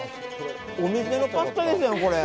お店のパスタですやん、これ。